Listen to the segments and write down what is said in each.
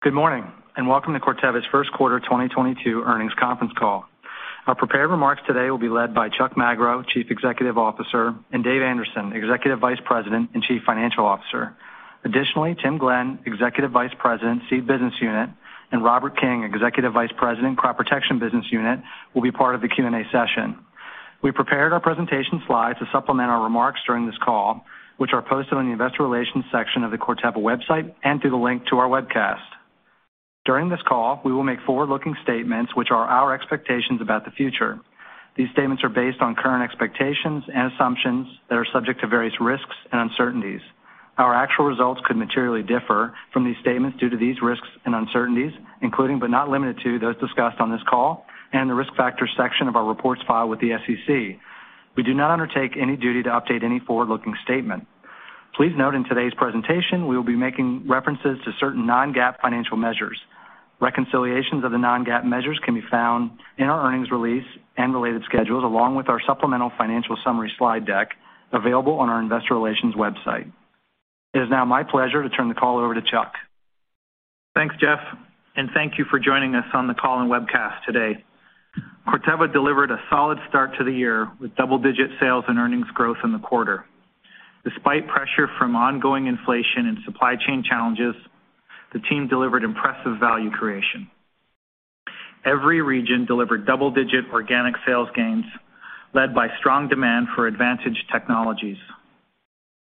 Good morning, and welcome to Corteva's first quarter 2022 earnings conference call. Our prepared remarks today will be led by Chuck Magro, Chief Executive Officer, and Dave Anderson, Executive Vice President and Chief Financial Officer. Additionally, Tim Glenn, Executive Vice President, Seed Business Unit, and Robert King, Executive Vice President, Crop Protection Business Unit, will be part of the Q&A session. We prepared our presentation slides to supplement our remarks during this call, which are posted on the investor relations section of the Corteva website and through the link to our webcast. During this call, we will make forward-looking statements which are our expectations about the future. These statements are based on current expectations and assumptions that are subject to various risks and uncertainties. Our actual results could materially differ from these statements due to these risks and uncertainties, including but not limited to those discussed on this call and in the Risk Factors section of our reports filed with the SEC. We do not undertake any duty to update any forward-looking statement. Please note in today's presentation, we will be making references to certain non-GAAP financial measures. Reconciliations of the non-GAAP measures can be found in our earnings release and related schedules, along with our supplemental financial summary slide deck available on our investor relations website. It is now my pleasure to turn the call over to Chuck. Thanks, Jeff, and thank you for joining us on the call and webcast today. Corteva delivered a solid start to the year with double-digit sales and earnings growth in the quarter. Despite pressure from ongoing inflation and supply chain challenges, the team delivered impressive value creation. Every region delivered double-digit organic sales gains, led by strong demand for advantage technologies.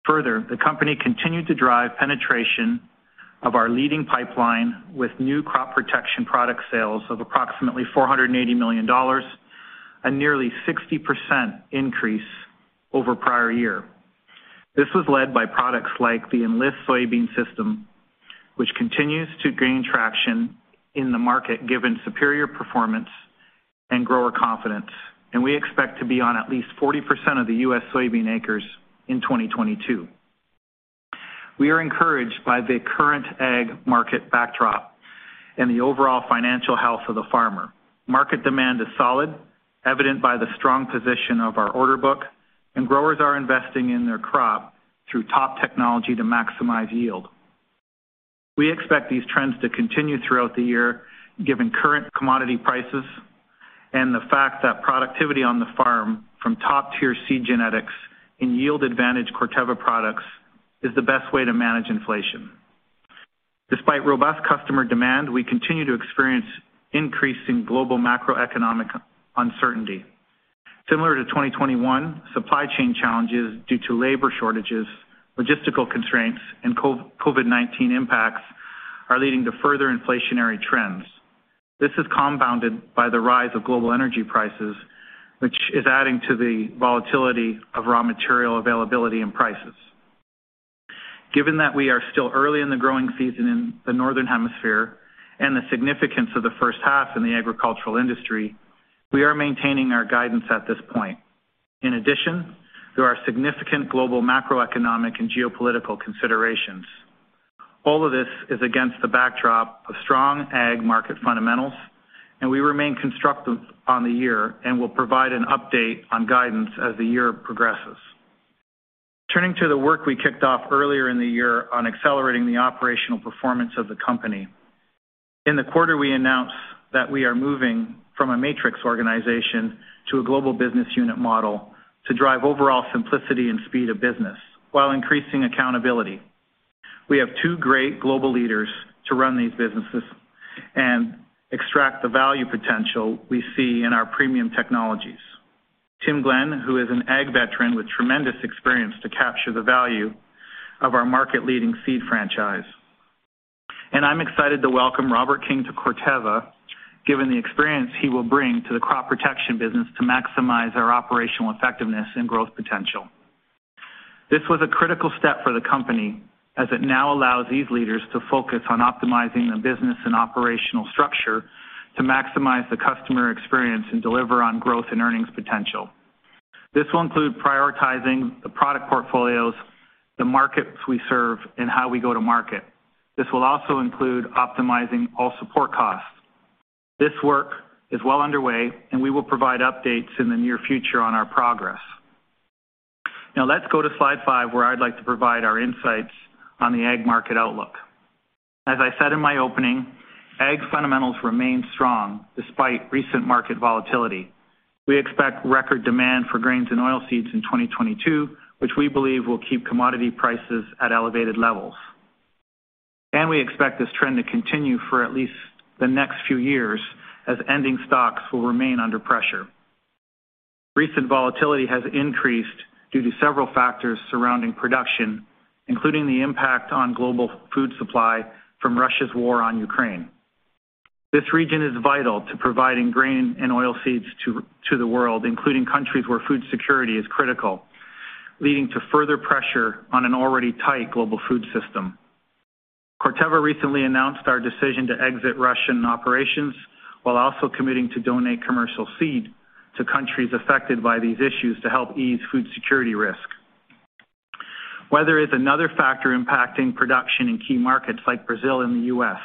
Further, the company continued to drive penetration of our leading pipeline with new crop protection product sales of approximately $480 million, a nearly 60% increase over prior year. This was led by products like the Enlist Soybean System, which continues to gain traction in the market given superior performance and grower confidence, and we expect to be on at least 40% of the U.S. soybean acres in 2022. We are encouraged by the current ag market backdrop and the overall financial health of the farmer. Market demand is solid, evident by the strong position of our order book, and growers are investing in their crop through top technology to maximize yield. We expect these trends to continue throughout the year, given current commodity prices and the fact that productivity on the farm from top-tier seed genetics and yield advantage Corteva products is the best way to manage inflation. Despite robust customer demand, we continue to experience increasing global macroeconomic uncertainty. Similar to 2021, supply chain challenges due to labor shortages, logistical constraints, and COVID-19 impacts are leading to further inflationary trends. This is compounded by the rise of global energy prices, which is adding to the volatility of raw material availability and prices. Given that we are still early in the growing season in the Northern Hemisphere and the significance of the first half in the agricultural industry, we are maintaining our guidance at this point. In addition, there are significant global macroeconomic and geopolitical considerations. All of this is against the backdrop of strong ag market fundamentals, and we remain constructive on the year and will provide an update on guidance as the year progresses. Turning to the work we kicked off earlier in the year on accelerating the operational performance of the company. In the quarter, we announced that we are moving from a matrix organization to a global business unit model to drive overall simplicity and speed of business while increasing accountability. We have two great global leaders to run these businesses and extract the value potential we see in our premium technologies. Tim Glenn, who is an ag veteran with tremendous experience to capture the value of our market-leading seed franchise. I'm excited to welcome Robert King to Corteva, given the experience he will bring to the crop protection business to maximize our operational effectiveness and growth potential. This was a critical step for the company, as it now allows these leaders to focus on optimizing the business and operational structure to maximize the customer experience and deliver on growth and earnings potential. This will include prioritizing the product portfolios, the markets we serve, and how we go to market. This will also include optimizing all support costs. This work is well underway, and we will provide updates in the near future on our progress. Now let's go to slide five, where I'd like to provide our insights on the Ag market outlook. As I said in my opening, Ag fundamentals remain strong despite recent market volatility. We expect record demand for grains and oilseeds in 2022, which we believe will keep commodity prices at elevated levels. We expect this trend to continue for at least the next few years as ending stocks will remain under pressure. Recent volatility has increased due to several factors surrounding production, including the impact on global food supply from Russia's war on Ukraine. This region is vital to providing grain and oilseeds to the world, including countries where food security is critical, leading to further pressure on an already tight global food system. Corteva recently announced our decision to exit Russian operations while also committing to donate commercial seed to countries affected by these issues to help ease food security risk. Weather is another factor impacting production in key markets like Brazil and the U.S.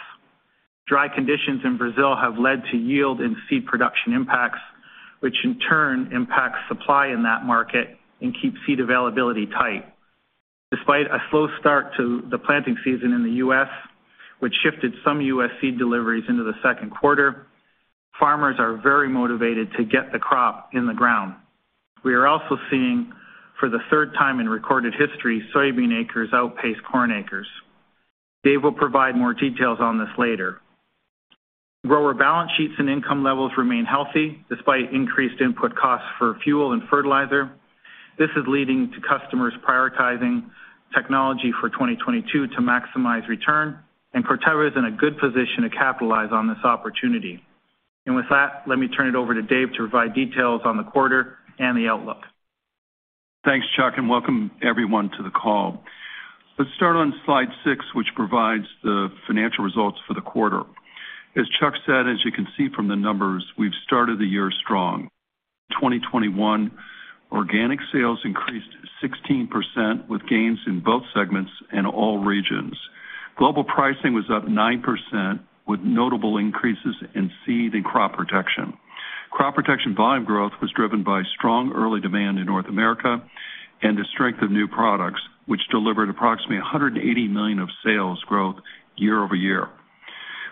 Dry conditions in Brazil have led to yield and seed production impacts, which in turn impacts supply in that market and keeps seed availability tight. Despite a slow start to the planting season in the U.S., which shifted some U.S. seed deliveries into the second quarter, farmers are very motivated to get the crop in the ground. We are also seeing, for the third time in recorded history, soybean acres outpace corn acres. Dave will provide more details on this later. Grower balance sheets and income levels remain healthy despite increased input costs for fuel and fertilizer. This is leading to customers prioritizing technology for 2022 to maximize return, and Corteva is in a good position to capitalize on this opportunity. With that, let me turn it over to Dave to provide details on the quarter and the outlook. Thanks, Chuck, and welcome everyone to the call. Let's start on slide six, which provides the financial results for the quarter. As Chuck said, as you can see from the numbers, we've started the year strong. 2021 organic sales increased 16% with gains in both segments and all regions. Global pricing was up 9% with notable increases in seed and crop protection. Crop protection volume growth was driven by strong early demand in North America and the strength of new products, which delivered approximately $180 million of sales growth year-over-year.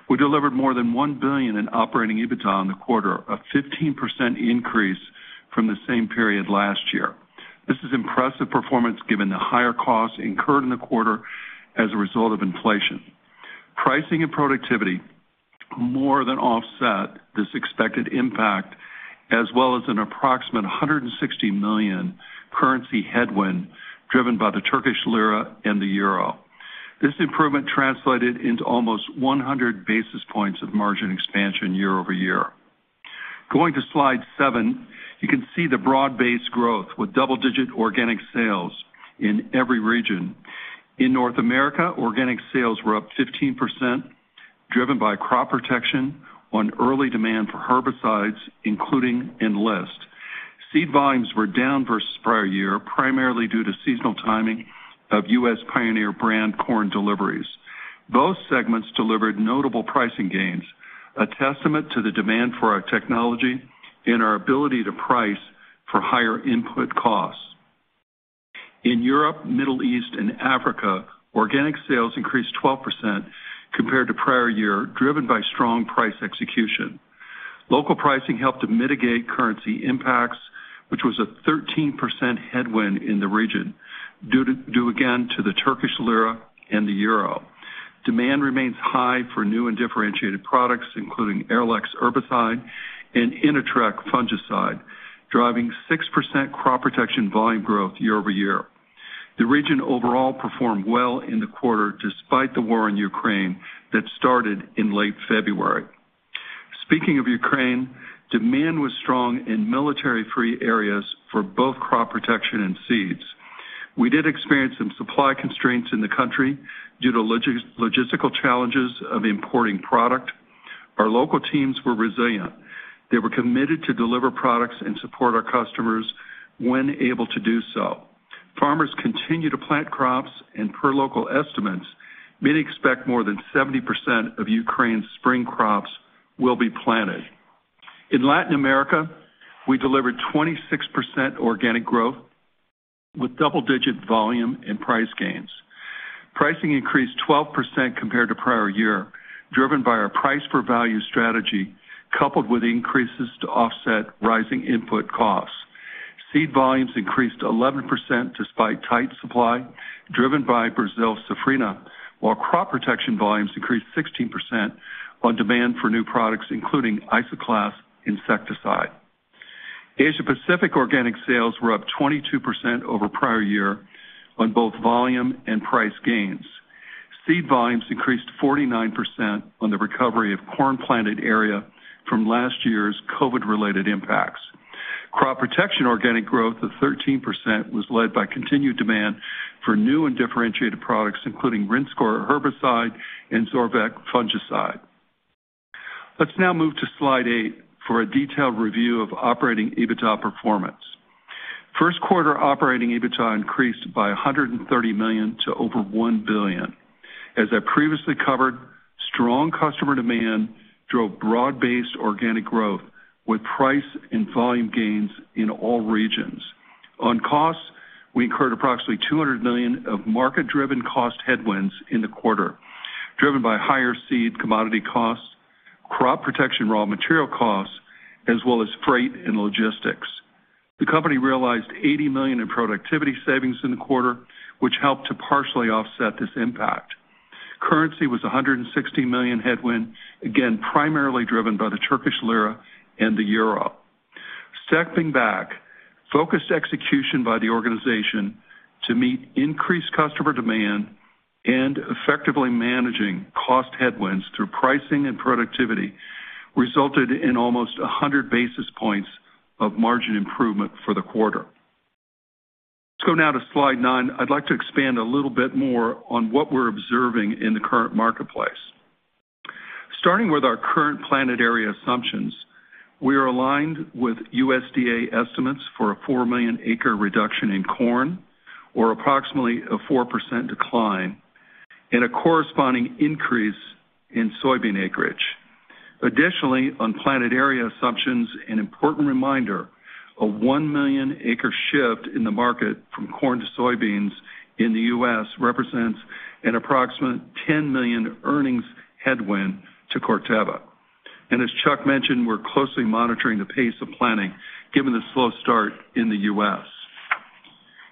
We delivered more than $1 billion in operating EBITDA in the quarter, a 15% increase from the same period last year. This is impressive performance given the higher costs incurred in the quarter as a result of inflation. Pricing and productivity more than offset this expected impact, as well as an approximate $160 million currency headwind driven by the Turkish lira and the euro. This improvement translated into almost 100 basis points of margin expansion year-over-year. Going to slide seven, you can see the broad-based growth with double-digit organic sales in every region. In North America, organic sales were up 15%, driven by crop protection on early demand for herbicides, including Enlist. Seed volumes were down versus prior year, primarily due to seasonal timing of U.S. Pioneer brand corn deliveries. Both segments delivered notable pricing gains, a testament to the demand for our technology and our ability to price for higher input costs. In Europe, Middle East, and Africa, organic sales increased 12% compared to prior year, driven by strong price execution. Local pricing helped to mitigate currency impacts, which was a 13% headwind in the region due again to the Turkish lira and the euro. Demand remains high for new and differentiated products, including Arylex herbicide and Inatreq fungicide, driving 6% crop protection volume growth year-over-year. The region overall performed well in the quarter despite the war in Ukraine that started in late February. Speaking of Ukraine, demand was strong in military-free areas for both crop protection and seeds. We did experience some supply constraints in the country due to logistical challenges of importing product. Our local teams were resilient. They were committed to deliver products and support our customers when able to do so. Farmers continue to plant crops and, per local estimates, many expect more than 70% of Ukraine's spring crops will be planted. In Latin America, we delivered 26% organic growth with double-digit volume and price gains. Pricing increased 12% compared to prior year, driven by our price for value strategy, coupled with increases to offset rising input costs. Seed volumes increased 11% despite tight supply driven by Brazil safrinha, while crop protection volumes increased 16% on demand for new products, including Isoclast insecticide. Asia Pacific organic sales were up 22% over prior year on both volume and price gains. Seed volumes increased 49% on the recovery of corn planted area from last year's COVID-related impacts. Crop protection organic growth of 13% was led by continued demand for new and differentiated products, including Rinskor herbicide and Zorvec fungicide. Let's now move to slide 8 for a detailed review of Operating EBITDA performance. First quarter Operating EBITDA increased by $130 million to over $1 billion. As I previously covered, strong customer demand drove broad-based organic growth with price and volume gains in all regions. On costs, we incurred approximately $200 million of market-driven cost headwinds in the quarter, driven by higher seed commodity costs, crop protection raw material costs, as well as freight and logistics. The company realized $80 million in productivity savings in the quarter, which helped to partially offset this impact. Currency was a $160 million headwind, again, primarily driven by the Turkish lira and the euro. Stepping back, focused execution by the organization to meet increased customer demand and effectively managing cost headwinds through pricing and productivity resulted in almost 100 basis points of margin improvement for the quarter. Let's go now to slide nine. I'd like to expand a little bit more on what we're observing in the current marketplace. Starting with our current planted area assumptions, we are aligned with USDA estimates for a 4 million acre reduction in corn or approximately a 4% decline and a corresponding increase in soybean acreage. Additionally, on planted area assumptions, an important reminder, a 1 million acre shift in the market from corn to soybeans in the U.S. represents an approximate 10 million earnings headwind to Corteva. As Chuck mentioned, we're closely monitoring the pace of planting given the slow start in the U.S.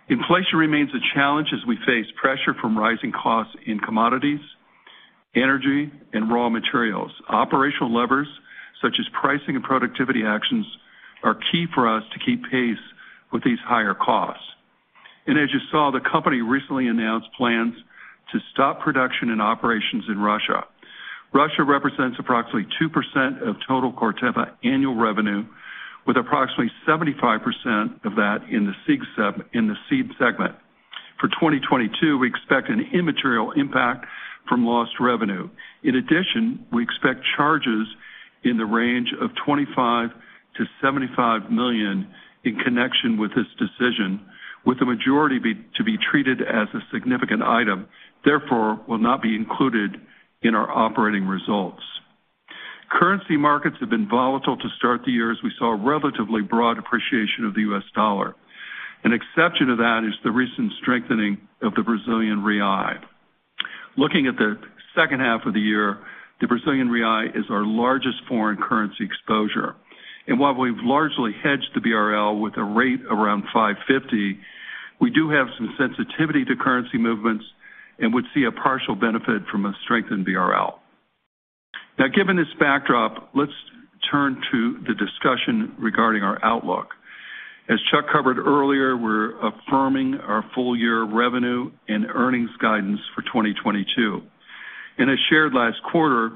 Inflation remains a challenge as we face pressure from rising costs in commodities, energy and raw materials. Operational levers such as pricing and productivity actions are key for us to keep pace with these higher costs. As you saw, the company recently announced plans to stop production and operations in Russia. Russia represents approximately 2% of total Corteva annual revenue, with approximately 75% of that in the seed segment. For 2022, we expect an immaterial impact from lost revenue. In addition, we expect charges in the range of $25 million-$75 million in connection with this decision, with the majority to be treated as a significant item, therefore will not be included in our operating results. Currency markets have been volatile to start the year as we saw a relatively broad appreciation of the U.S. dollar. An exception to that is the recent strengthening of the Brazilian real. Looking at the second half of the year, the Brazilian real is our largest foreign currency exposure. While we've largely hedged the BRL with a rate around 5.50, we do have some sensitivity to currency movements and would see a partial benefit from a strengthened BRL. Now, given this backdrop, let's turn to the discussion regarding our outlook. As Chuck covered earlier, we're affirming our full-year revenue and earnings guidance for 2022. As shared last quarter,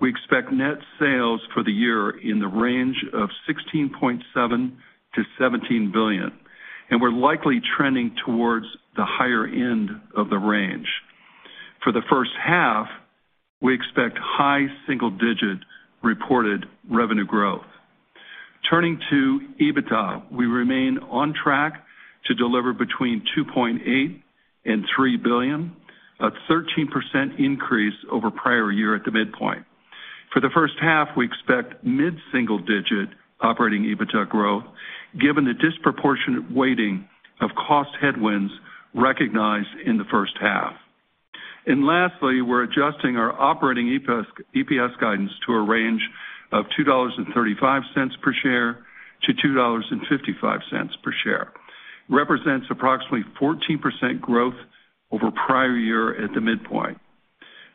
we expect net sales for the year in the range of $16.7 billion-$17 billion, and we're likely trending towards the higher end of the range. For the first half, we expect high single-digit reported revenue growth. Turning to EBITDA, we remain on track to deliver between $2.8 billion-$3 billion, a 13% increase over prior year at the midpoint. For the first half, we expect mid-single-digit Operating EBITDA growth given the disproportionate weighting of cost headwinds recognized in the first half. Lastly, we're adjusting our operating EPS guidance to a range of $2.35-$2.55 per share. It represents approximately 14% growth over prior year at the midpoint.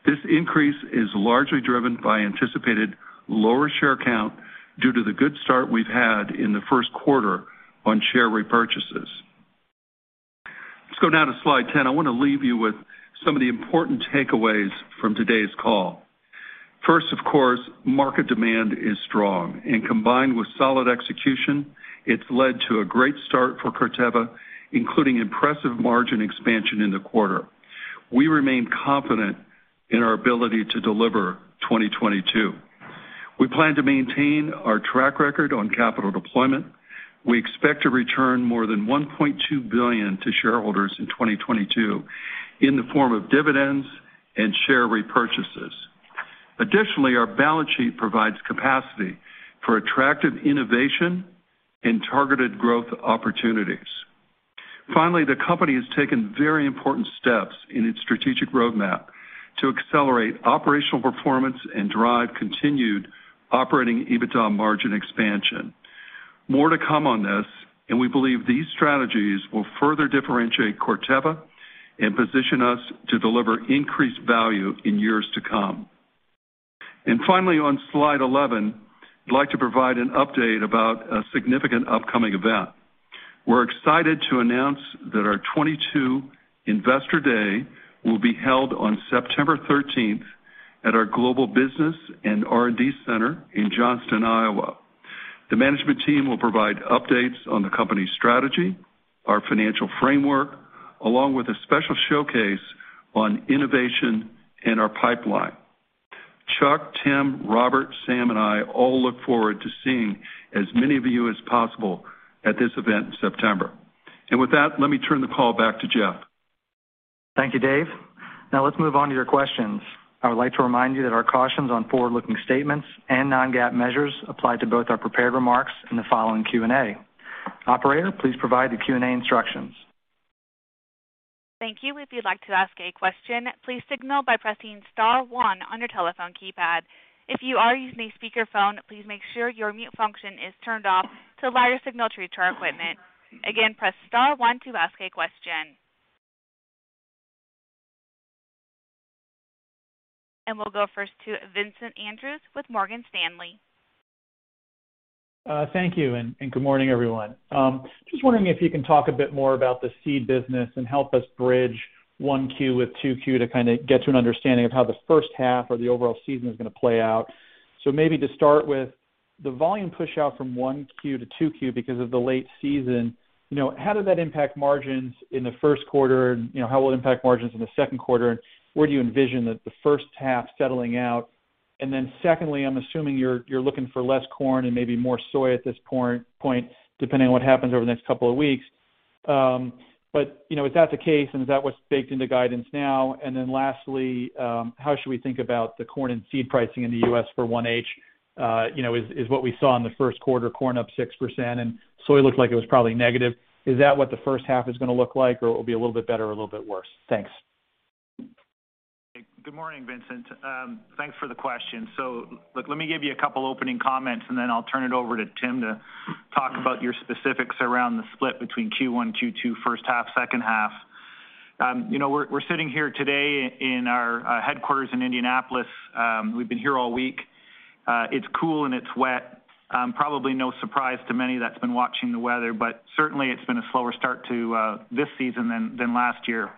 This increase is largely driven by anticipated lower share count due to the good start we've had in the first quarter on share repurchases. Let's go now to slide 10. I wanna leave you with some of the important takeaways from today's call. First, of course, market demand is strong, and combined with solid execution, it's led to a great start for Corteva, including impressive margin expansion in the quarter. We remain confident in our ability to deliver 2022. We plan to maintain our track record on capital deployment. We expect to return more than $1.2 billion to shareholders in 2022 in the form of dividends and share repurchases. Additionally, our balance sheet provides capacity for attractive innovation and targeted growth opportunities. Finally, the company has taken very important steps in its strategic roadmap to accelerate operational performance and drive continued Operating EBITDA margin expansion. More to come on this, and we believe these strategies will further differentiate Corteva and position us to deliver increased value in years to come. Finally, on slide 11, I'd like to provide an update about a significant upcoming event. We're excited to announce that our 2022 Investor Day will be held on September 13th at our global business and R&D center in Johnston, Iowa. The management team will provide updates on the company's strategy, our financial framework, along with a special showcase on innovation in our pipeline. Chuck, Tim, Robert, Sam, and I all look forward to seeing as many of you as possible at this event in September. With that, let me turn the call back to Jeff. Thank you, Dave. Now let's move on to your questions. I would like to remind you that our cautions on forward-looking statements and non-GAAP measures apply to both our prepared remarks in the following Q&A. Operator, please provide the Q&A instructions. Thank you. If you'd like to ask a question, please signal by pressing star one on your telephone keypad. If you are using a speakerphone, please make sure your mute function is turned off to allow your signal to reach our equipment. Again, press star one to ask a question. We'll go first to Vincent Andrews with Morgan Stanley. Thank you and good morning, everyone. Just wondering if you can talk a bit more about the seed business and help us bridge 1Q with 2Q to kinda get to an understanding of how the first half or the overall season is gonna play out. Maybe to start with the volume push out from 1Q to 2Q because of the late season, you know, how did that impact margins in the first quarter? You know, how will it impact margins in the second quarter? Where do you envision the first half settling out? Then secondly, I'm assuming you're looking for less corn and maybe more soy at this point, depending on what happens over the next couple of weeks. You know, is that the case and is that what's baked into guidance now? How should we think about the corn and seed pricing in the U.S. for 1H? You know, is what we saw in the first quarter, corn up 6% and soy looked like it was probably negative. Is that what the first half is gonna look like, or it'll be a little bit better or a little bit worse? Thanks. Good morning, Vincent. Thanks for the question. Look, let me give you a couple opening comments, and then I'll turn it over to Tim to talk about your specifics around the split between Q1, Q2, first half, second half. You know, we're sitting here today in our headquarters in Indianapolis. We've been here all week. It's cool and it's wet. Probably no surprise to many that's been watching the weather, but certainly it's been a slower start to this season than last year.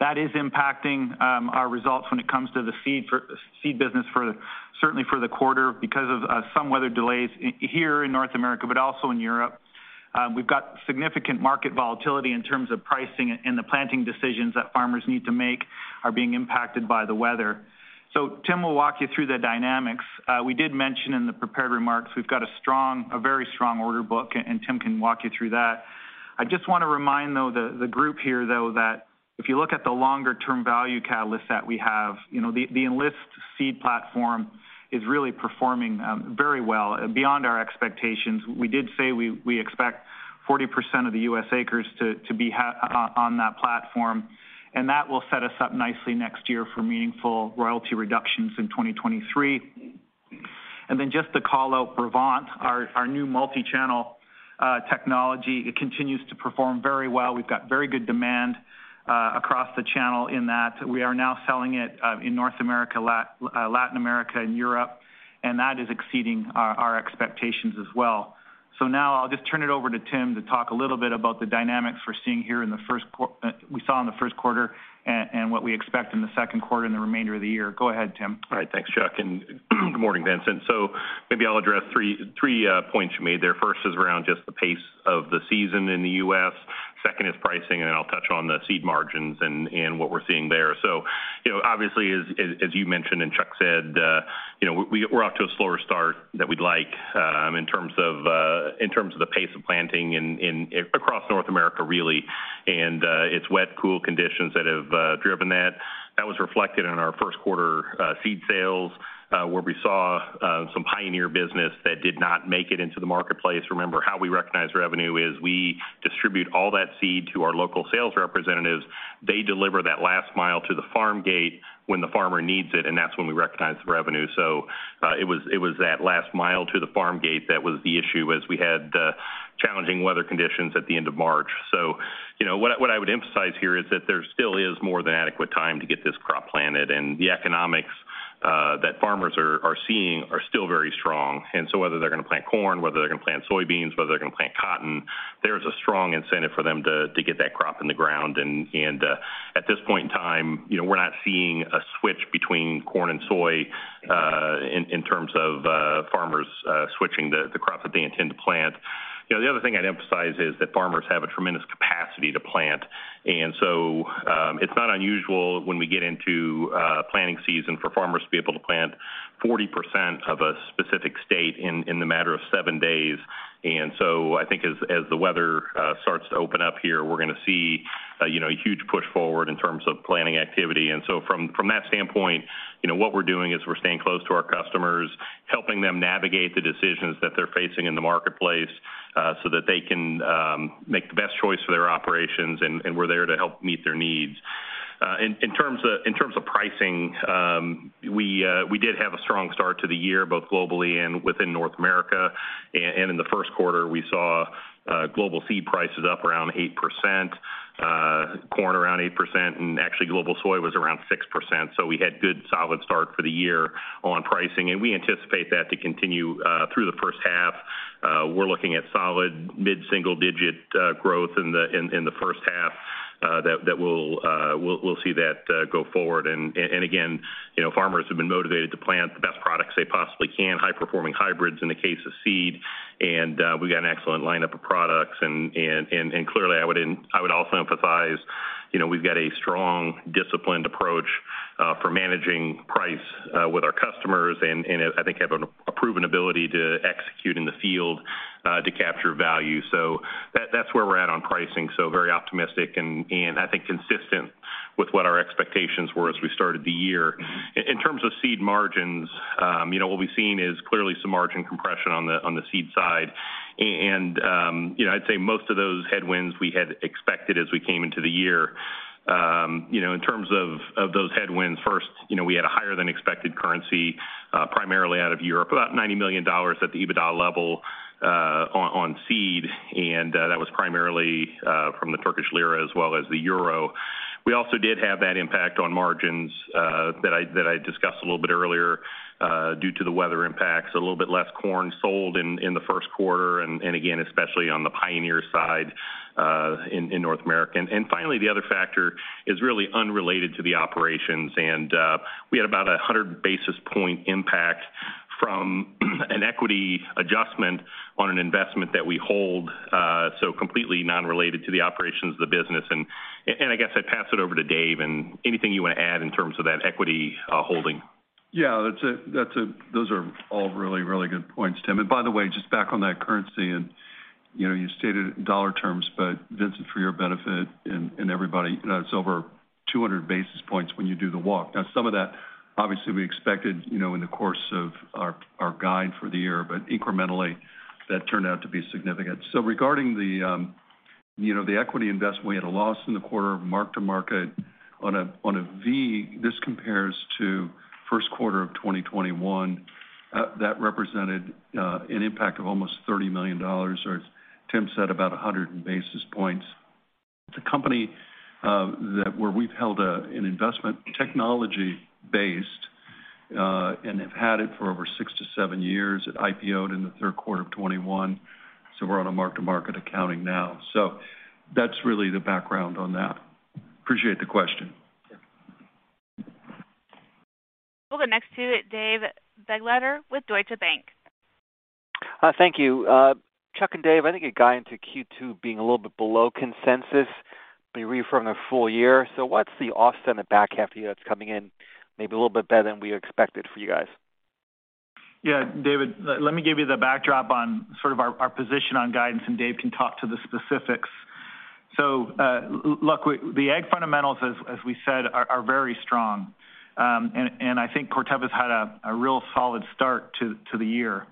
That is impacting our results when it comes to the seed business for certainly for the quarter because of some weather delays here in North America, but also in Europe. We've got significant market volatility in terms of pricing and the planting decisions that farmers need to make are being impacted by the weather. Tim will walk you through the dynamics. We did mention in the prepared remarks, we've got a very strong order book, and Tim can walk you through that. I just wanna remind, though, the group here, though, that if you look at the longer-term value catalyst that we have, you know, the Enlist seed platform is really performing very well beyond our expectations. We did say we expect 40% of the U.S. acres to be on that platform, and that will set us up nicely next year for meaningful royalty reductions in 2023. Just to call out Brevant, our new multi-channel technology, it continues to perform very well. We've got very good demand across the channel in that. We are now selling it in North America, Latin America, and Europe, and that is exceeding our expectations as well. Now I'll just turn it over to Tim to talk a little bit about the dynamics we're seeing here in the first quarter and what we expect in the second quarter and the remainder of the year. Go ahead, Tim. All right. Thanks, Chuck. Good morning, Vincent. Maybe I'll address three points you made there. First is around just the pace of the season in the U.S. Second is pricing, and then I'll touch on the seed margins and what we're seeing there. You know, obviously, as you mentioned and Chuck said, you know, we're off to a slower start than we'd like in terms of the pace of planting in across North America, really. It's wet, cool conditions that have driven that. That was reflected in our first quarter seed sales, where we saw some Pioneer business that did not make it into the marketplace. Remember, how we recognize revenue is we distribute all that seed to our local sales representatives. They deliver that last mile to the farm gate when the farmer needs it, and that's when we recognize the revenue. It was that last mile to the farm gate that was the issue as we had challenging weather conditions at the end of March. You know, what I would emphasize here is that there still is more than adequate time to get this crop planted, and the economics that farmers are seeing are still very strong. Whether they're gonna plant corn, whether they're gonna plant soybeans, whether they're gonna plant cotton, there's a strong incentive for them to get that crop in the ground. At this point in time, you know, we're not seeing a switch between corn and soy in terms of farmers switching the crop that they intend to plant. You know, the other thing I'd emphasize is that farmers have a tremendous capacity to plant. It's not unusual when we get into planting season for farmers to be able to plant 40% of a specific state in the matter of seven days. I think as the weather starts to open up here, we're gonna see, you know, a huge push forward in terms of planting activity. From that standpoint, you know, what we're doing is we're staying close to our customers, helping them navigate the decisions that they're facing in the marketplace, so that they can make the best choice for their operations, and we're there to help meet their needs. In terms of pricing, we did have a strong start to the year, both globally and within North America. In the first quarter, we saw global seed prices up around 8%, corn around 8%, and actually global soy was around 6%. We had good solid start for the year on pricing, and we anticipate that to continue through the first half. We're looking at solid mid-single-digit growth in the first half that we'll see go forward. Again, you know, farmers have been motivated to plant the best products they possibly can, high-performing hybrids in the case of seed. We've got an excellent lineup of products and clearly, I would also emphasize, you know, we've got a strong, disciplined approach for managing price with our customers and I think have a proven ability to execute in the field to capture value. That's where we're at on pricing. Very optimistic and I think consistent with what our expectations were as we started the year. In terms of seed margins, you know, what we've seen is clearly some margin compression on the seed side. I'd say most of those headwinds we had expected as we came into the year. You know, in terms of those headwinds, first, you know, we had a higher than expected currency, primarily out of Europe, about $90 million at the EBITDA level, on seed. That was primarily from the Turkish lira as well as the euro. We also did have that impact on margins, that I discussed a little bit earlier, due to the weather impacts, a little bit less corn sold in the first quarter and again, especially on the Pioneer side, in North America. Finally, the other factor is really unrelated to the operations. We had about 100 basis point impact from an equity adjustment on an investment that we hold, so completely non-related to the operations of the business. I guess I'd pass it over to Dave and anything you wanna add in terms of that equity holding. Yeah, those are all really good points, Tim. By the way, just back on that currency, you know, you stated dollar terms, but Vincent, for your benefit and everybody, you know, it's over 200 basis points when you do the walk. Now, some of that obviously we expected, you know, in the course of our guide for the year, but incrementally, that turned out to be significant. Regarding the equity investment, we had a loss in the quarter of mark-to-market on a V. This compares to first quarter of 2021 that represented an impact of almost $30 million, or as Tim said, about 100 basis points. It's a company that we've held an investment, technology based, and have had it for over six to seven years. It IPO'd in the third quarter of 2021, so we're on a mark-to-market accounting now. That's really the background on that. Appreciate the question. We'll go next to Dave Begleiter with Deutsche Bank. Thank you. Chuck and Dave, I think you got into Q2 being a little bit below consensus, reaffirming the full year. What's the offset in the back half of the year that's coming in maybe a little bit better than we expected for you guys? Yeah. David, let me give you the backdrop on sort of our position on guidance, and Dave can talk to the specifics. Look, the ag fundamentals, as we said, are very strong. I think Corteva's had a real solid start to the year.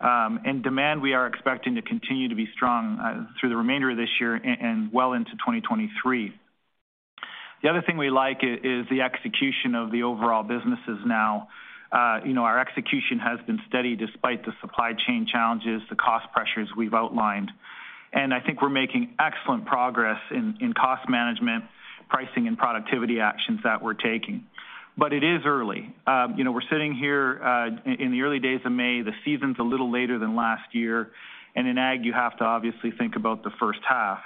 Demand, we are expecting to continue to be strong through the remainder of this year and well into 2023. The other thing we like is the execution of the overall businesses now. You know, our execution has been steady despite the supply chain challenges, the cost pressures we've outlined. I think we're making excellent progress in cost management, pricing and productivity actions that we're taking. It is early. You know, we're sitting here in the early days of May. The season's a little later than last year. In ag, you have to obviously think about the first half.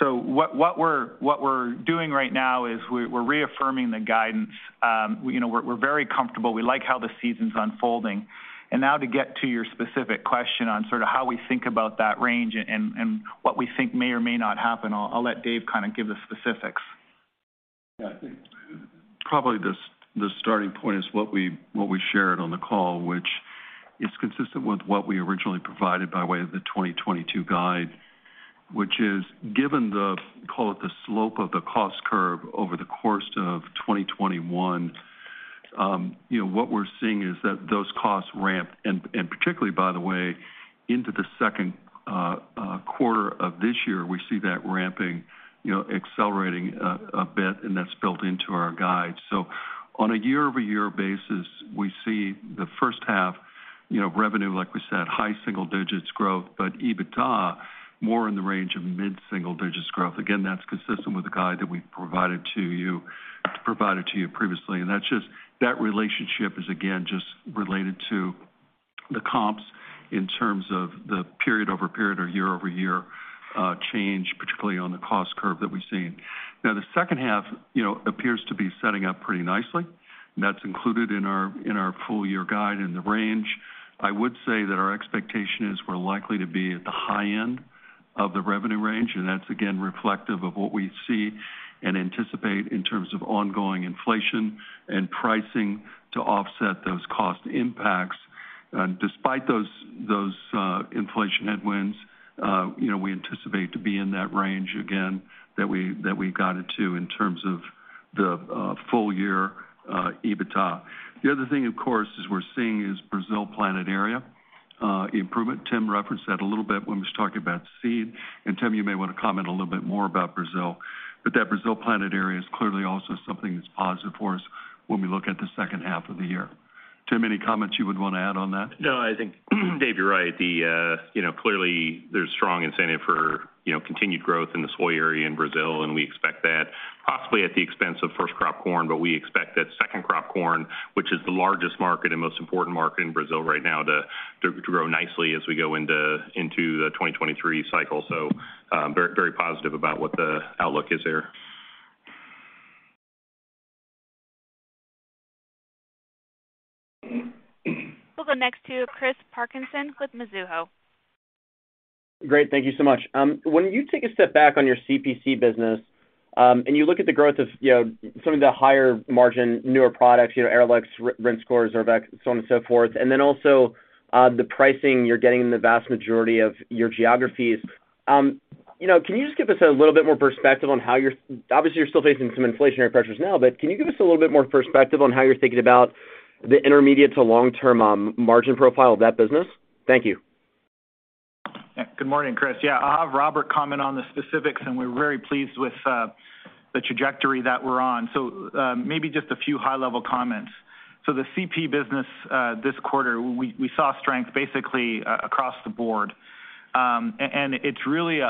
What we're doing right now is we're reaffirming the guidance. You know, we're very comfortable. We like how the season's unfolding. Now to get to your specific question on sort of how we think about that range and what we think may or may not happen, I'll let Dave kind of give the specifics. Yeah, I think probably the starting point is what we shared on the call, which is consistent with what we originally provided by way of the 2022 guide, which is given the, call it, the slope of the cost curve over the course of 2021, you know, what we're seeing is that those costs ramp and particularly by the way into the second quarter of this year, we see that ramping, you know, accelerating a bit, and that's built into our guide. On a year-over-year basis, we see the first half, you know, revenue, like we said, high single digits growth, but EBITDA more in the range of mid-single digits growth. Again, that's consistent with the guide that we provided to you previously. That's just, that relationship is again, just related to the comps in terms of the period-over-period or year-over-year change, particularly on the cost curve that we've seen. Now, the second half, you know, appears to be setting up pretty nicely. That's included in our full year guide in the range. I would say that our expectation is we're likely to be at the high end of the revenue range, and that's again, reflective of what we see and anticipate in terms of ongoing inflation and pricing to offset those cost impacts. Despite those inflation headwinds, you know, we anticipate to be in that range again that we've guided to in terms of the full year EBITDA. The other thing, of course, is we're seeing Brazil planted area improvement. Tim referenced that a little bit when we were talking about seed. Tim, you may want to comment a little bit more about Brazil. That Brazil planted area is clearly also something that's positive for us when we look at the second half of the year. Tim, any comments you would want to add on that? No, I think, Dave, you're right. The, you know, clearly there's strong incentive for, you know, continued growth in the soy area in Brazil, and we expect that possibly at the expense of first crop corn. We expect that second crop corn, which is the largest market and most important market in Brazil right now to grow nicely as we go into the 2023 cycle. Very positive about what the outlook is there. We'll go next to Christopher Parkinson with Mizuho. Great. Thank you so much. When you take a step back on your CP business, and you look at the growth of, you know, some of the higher margin, newer products, you know, Arylex, Rinskor, Zorvec, so on and so forth, and then also, the pricing you're getting in the vast majority of your geographies, you know, can you just give us a little bit more perspective on how you're obviously, you're still facing some inflationary pressures now, but can you give us a little bit more perspective on how you're thinking about the intermediate to long-term, margin profile of that business? Thank you. Good morning, Chris. I'll have Robert comment on the specifics, and we're very pleased with the trajectory that we're on. Maybe just a few high-level comments. The CP business this quarter, we saw strength basically across the board. And it's really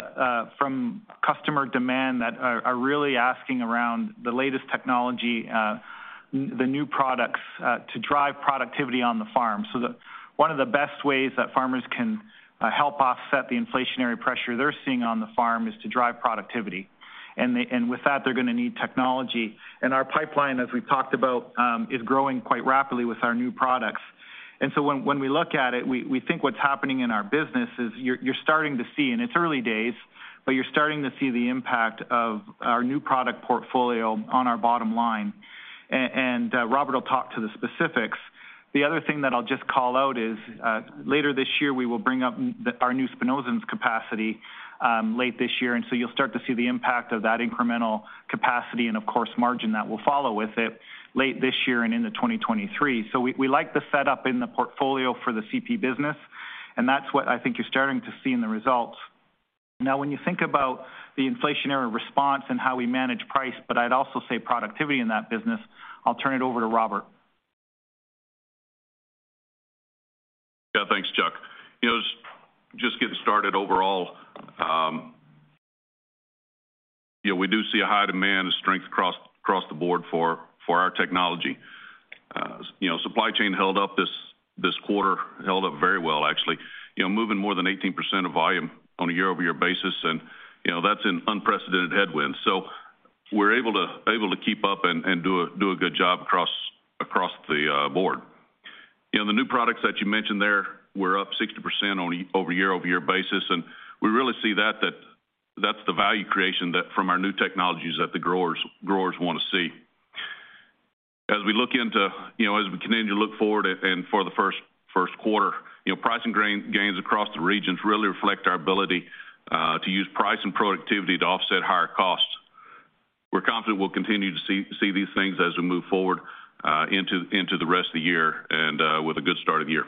from customer demand. They're really asking for the latest technology, the new products to drive productivity on the farm. One of the best ways that farmers can help offset the inflationary pressure they're seeing on the farm is to drive productivity. With that, they're gonna need technology. Our pipeline, as we've talked about, is growing quite rapidly with our new products. When we look at it, we think what's happening in our business is you're starting to see, and it's early days, but you're starting to see the impact of our new product portfolio on our bottom line. Robert will talk to the specifics. The other thing that I'll just call out is, later this year, we will bring up our new spinosyns capacity, late this year. You'll start to see the impact of that incremental capacity and of course, margin that will follow with it late this year and into 2023. We like the set up in the portfolio for the CP business, and that's what I think you're starting to see in the results. Now, when you think about the inflationary response and how we manage price, but I'd also say productivity in that business. I'll turn it over to Robert. Yeah, thanks, Chuck. You know, just getting started overall. We do see a high demand and strength across the board for our technology. Supply chain held up this quarter. Held up very well, actually. Moving more than 18% of volume on a year-over-year basis. That's an unprecedented headwind. We're able to keep up and do a good job across the board. The new products that you mentioned there were up 60% on a year-over-year basis, and we really see that's the value creation from our new technologies that the growers want to see. As we continue to look forward and for the first quarter, you know, pricing and grain gains across the regions really reflect our ability to use price and productivity to offset higher costs. We're confident we'll continue to see these things as we move forward into the rest of the year and with a good start of the year.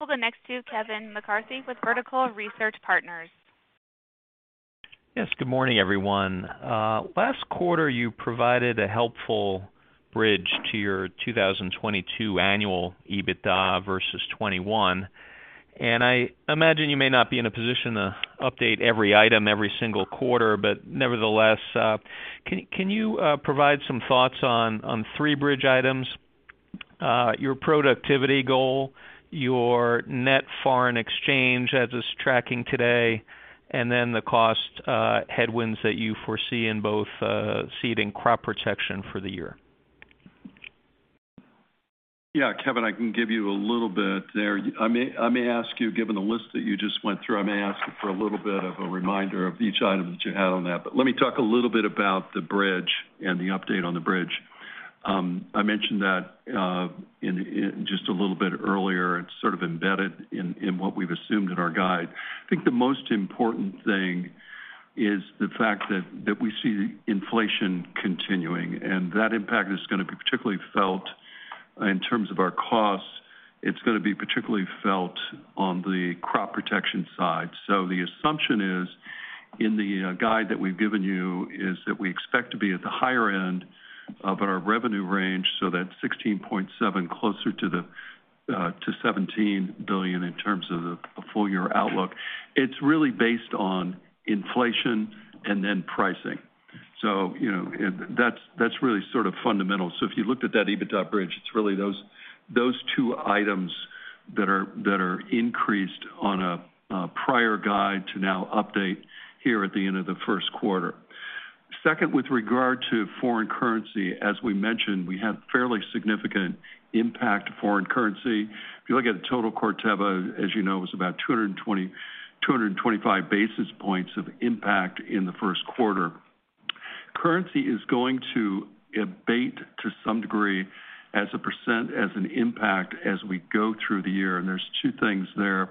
We'll go next to Kevin McCarthy with Vertical Research Partners. Yes, good morning, everyone. Last quarter, you provided a helpful bridge to your 2022 annual EBITDA versus 2021. I imagine you may not be in a position to update every item every single quarter. Nevertheless, can you provide some thoughts on three bridge items? Your productivity goal, your net foreign exchange as it's tracking today, and then the cost headwinds that you foresee in both seed and crop protection for the year? Yeah. Kevin, I can give you a little bit there. I may ask you, given the list that you just went through, for a little bit of a reminder of each item that you had on that. Let me talk a little bit about the bridge and the update on the bridge. I mentioned that just a little bit earlier. It's sort of embedded in what we've assumed in our guide. I think the most important thing is the fact that we see inflation continuing, and that impact is gonna be particularly felt in terms of our costs. It's gonna be particularly felt on the Crop Protection side. The assumption is, in the guide that we've given you, that we expect to be at the higher end of our revenue range. That's $16.7 billion, closer to $17 billion in terms of the full year outlook. It's really based on inflation and then pricing. You know, that's really sort of fundamental. If you looked at that EBITDA bridge, it's really those two items that are increased on a prior guide to now update here at the end of the first quarter. Second, with regard to foreign currency, as we mentioned, we have fairly significant impact to foreign currency. If you look at total Corteva, as you know, it was about 220-225 basis points of impact in the first quarter. Currency is going to abate to some degree as a percent, as an impact as we go through the year. There's two things there.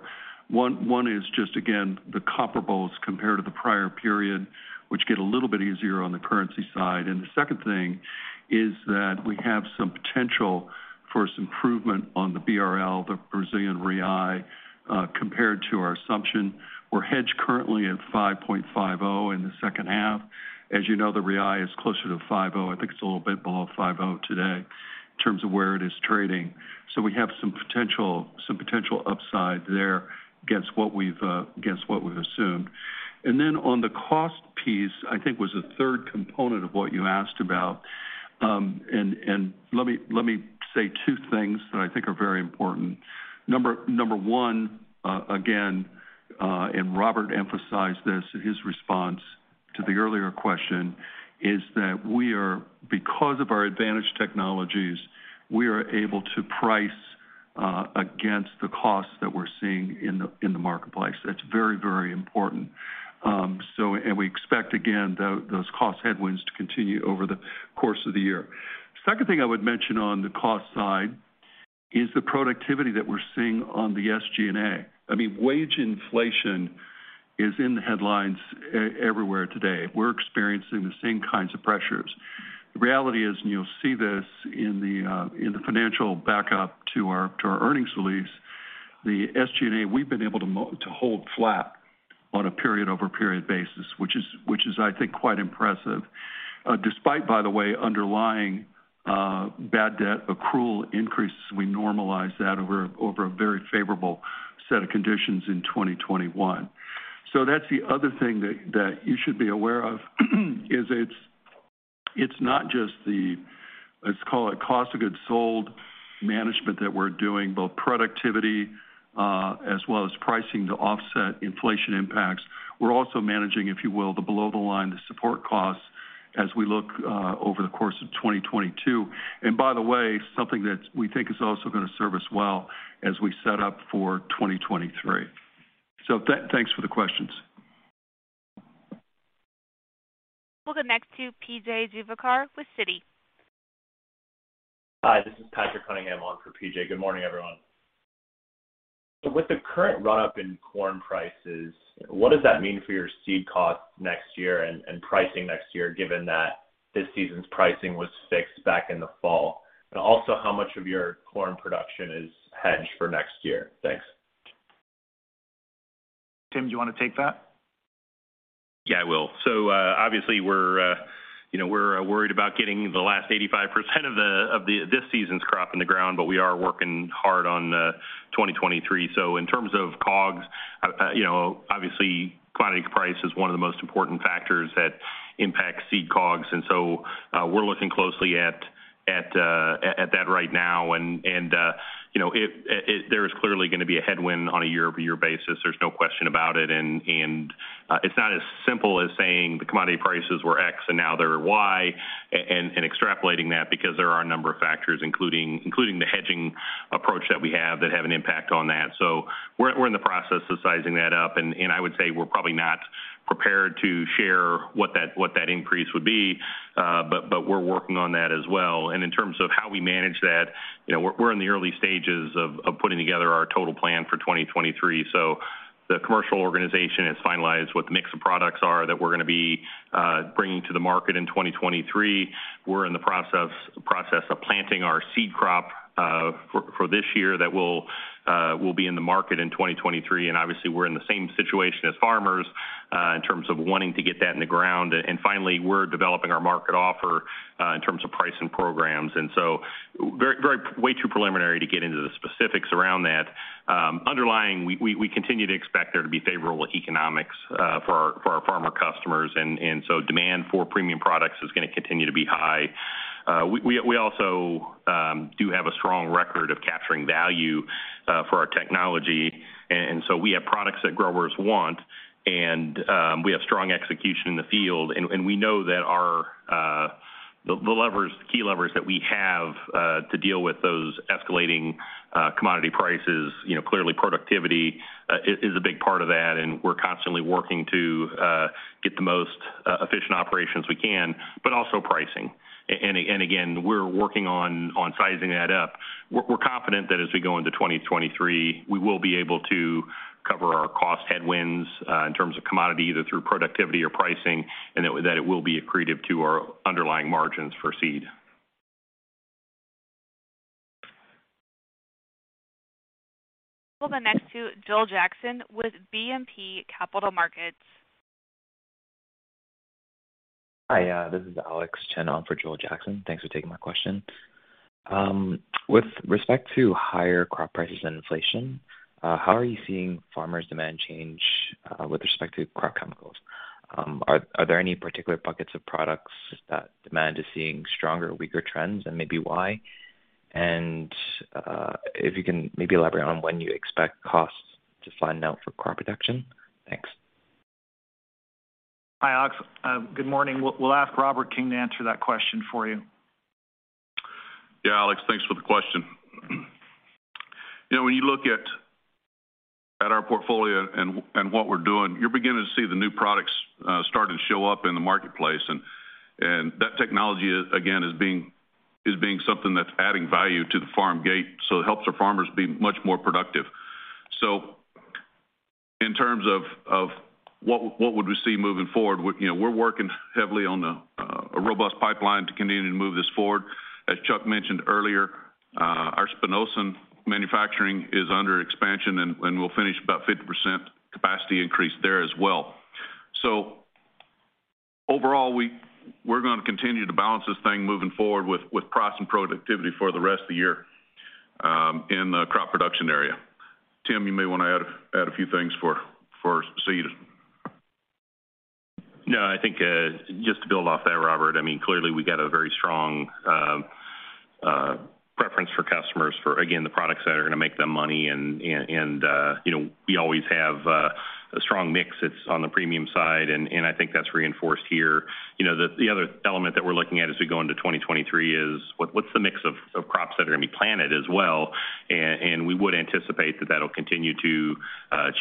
One is just, again, the comparables compared to the prior period, which get a little bit easier on the currency side. The second thing is that we have some potential for some improvement on the BRL, the Brazilian real, compared to our assumption. We're hedged currently at 5.5 0 in the second half. As you know, the real is closer to 5.0. I think it's a little bit below 5.0 today in terms of where it is trading. We have some potential upside there against what we've assumed. Then on the cost piece, I think was the third component of what you asked about. Let me say two things that I think are very important. Number one, again, Robert emphasized this in his response to the earlier question, is that we are because of our advantaged technologies, we are able to price against the costs that we're seeing in the marketplace. That's very, very important. We expect, again, those cost headwinds to continue over the course of the year. Second thing I would mention on the cost side is the productivity that we're seeing on the SG&A. I mean, wage inflation is in the headlines everywhere today. We're experiencing the same kinds of pressures. The reality is, you'll see this in the financial backup to our earnings release. The SG&A, we've been able to hold flat on a period-over-period basis, which is, I think, quite impressive. Despite, by the way, underlying bad debt accrual increases, we normalize that over a very favorable set of conditions in 2021. That's the other thing that you should be aware of, is it's not just the, let's call it cost of goods sold management that we're doing, both productivity, as well as pricing to offset inflation impacts. We're also managing, if you will, the below-the-line, the support costs as we look over the course of 2022. By the way, something that we think is also gonna serve us well as we set up for 2023. Thanks for the questions. We'll go next to P.J. Juvekar with Citi. Hi, this is Patrick Cunningham on for P.J. Good morning, everyone. With the current run-up in corn prices, what does that mean for your seed costs next year and pricing next year, given that this season's pricing was fixed back in the fall? Also, how much of your corn production is hedged for next year? Thanks. Tim, do you wanna take that? Yeah, I will. Obviously, we're, you know, worried about getting the last 85% of this season's crop in the ground, but we are working hard on 2023. In terms of COGS, you know, obviously, commodity price is one of the most important factors that impacts seed COGS. We're looking closely at that right now. You know, there is clearly gonna be a headwind on a year-over-year basis. There's no question about it. It's not as simple as saying the commodity prices were X and now they're Y and extrapolating that because there are a number of factors, including the hedging approach that we have that have an impact on that. We're in the process of sizing that up. I would say we're probably not prepared to share what that increase would be, but we're working on that as well. In terms of how we manage that, you know, we're in the early stages of putting together our total plan for 2023. The commercial organization has finalized what the mix of products are that we're gonna be bringing to the market in 2023. We're in the process of planting our seed crop for this year that will be in the market in 2023. Obviously, we're in the same situation as farmers in terms of wanting to get that in the ground. Finally, we're developing our market offer in terms of price and programs. Way too preliminary to get into the specifics around that. Underlying, we continue to expect there to be favorable economics for our farmer customers, so demand for premium products is gonna continue to be high. We also do have a strong record of capturing value for our technology. We have products that growers want, and we have strong execution in the field. We know that our key levers that we have to deal with those escalating commodity prices, you know, clearly productivity is a big part of that, and we're constantly working to get the most efficient operations we can, but also pricing. Again, we're working on sizing that up. We're confident that as we go into 2023, we will be able to cover our cost headwinds in terms of commodity, either through productivity or pricing, and that it will be accretive to our underlying margins for seed. We'll go next to Joel Jackson with BMO Capital Markets. Hi, this is Alex Chen on for Joel Jackson. Thanks for taking my question. With respect to higher crop prices and inflation, how are you seeing farmers' demand change, with respect to crop chemicals? Are there any particular buckets of products that demand is seeing stronger or weaker trends, and maybe why? If you can maybe elaborate on when you expect costs to flatten out for crop production? Thanks. Hi, Alex. Good morning. We'll ask Robert to answer that question for you. Yeah, Alex, thanks for the question. You know, when you look at our portfolio and what we're doing, you're beginning to see the new products starting to show up in the marketplace. That technology again is being something that's adding value to the farm gate, so it helps the farmers be much more productive. In terms of what would we see moving forward, you know, we're working heavily on a robust pipeline to continue to move this forward. As Chuck mentioned earlier, our spinosyn manufacturing is under expansion, and we'll finish about 50% capacity increase there as well. Overall, we're gonna continue to balance this thing moving forward with price and productivity for the rest of the year in the crop production area. Tim, you may wanna add a few things for seed. No, I think just to build off that, Robert, I mean, clearly we got a very strong preference for customers for, again, the products that are gonna make them money and you know, we always have a strong mix that's on the premium side, and I think that's reinforced here. You know, the other element that we're looking at as we go into 2023 is what's the mix of crops that are gonna be planted as well. We would anticipate that'll continue to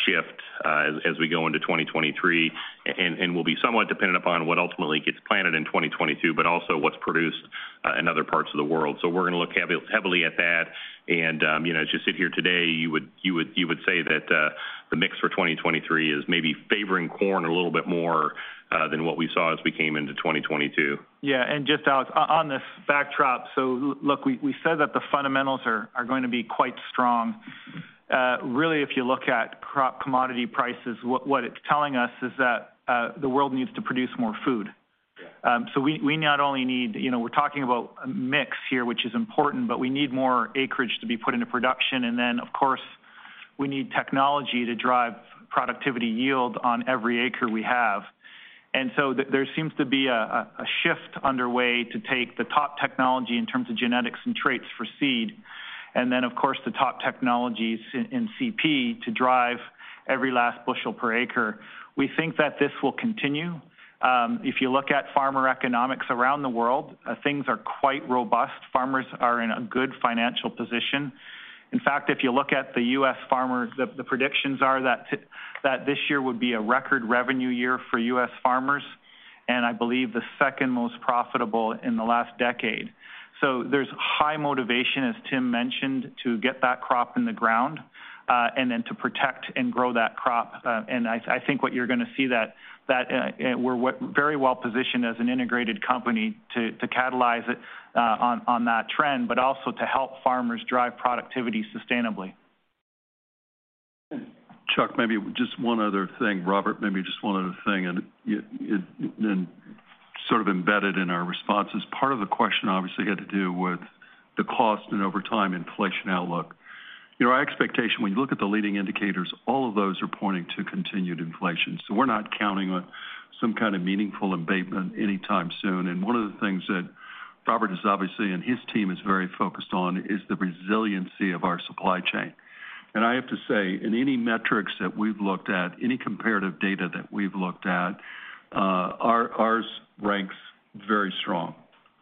shift as we go into 2023 and will be somewhat dependent upon what ultimately gets planted in 2022, but also what's produced in other parts of the world. We're gonna look heavily at that. You know, as you sit here today, you would say that the mix for 2023 is maybe favoring corn a little bit more than what we saw as we came into 2022. Just Alex, on this backdrop, look, we said that the fundamentals are going to be quite strong. Really, if you look at crop commodity prices, what it's telling us is that the world needs to produce more food. Yeah. We not only need you know, we're talking about a mix here, which is important, but we need more acreage to be put into production. Of course. We need technology to drive productivity yield on every acre we have. There seems to be a shift underway to take the top technology in terms of genetics and traits for seed. Of course, the top technologies in CP to drive every last bushel per acre. We think that this will continue. If you look at farmer economics around the world, things are quite robust. Farmers are in a good financial position. In fact, if you look at the U.S. farmer, the predictions are that this year would be a record revenue year for U.S. farmers, and I believe the second most profitable in the last decade. There's high motivation, as Tim mentioned, to get that crop in the ground, and then to protect and grow that crop. I think what you're gonna see that we're very well-positioned as an integrated company to catalyze it on that trend, but also to help farmers drive productivity sustainably. Chuck, maybe just one other thing. Robert, maybe just one other thing, and it's sort of embedded in our responses. Part of the question, obviously, had to do with the cost and over time inflation outlook. Our expectation, when you look at the leading indicators, all of those are pointing to continued inflation. We're not counting on some kind of meaningful abatement anytime soon. One of the things that Robert is obviously, and his team is very focused on, is the resiliency of our supply chain. I have to say, in any metrics that we've looked at, any comparative data that we've looked at, ours ranks very strong.